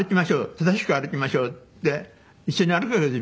正しく歩きましょう」って一緒に歩くんです